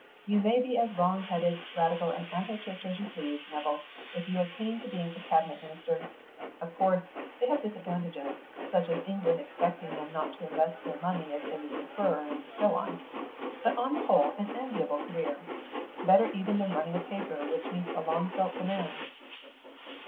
You may be as wrong headed, radical, and anti church as you please, Nevill, if you attain to being a cabinet minister. Of course they have disadvantages, such as England expecting them not to invest their money as they would prefer, and so on; but on the whole an enviable career. Better even than running a paper which meets a long felt demand."